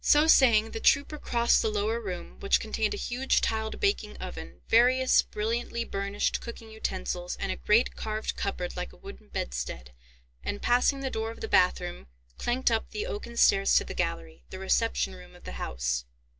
So saying, the trooper crossed the lower room, which contained a huge tiled baking oven, various brilliantly burnished cooking utensils, and a great carved cupboard like a wooden bedstead, and, passing the door of the bathroom, clanked up the oaken stairs to the gallery, the reception room of the house.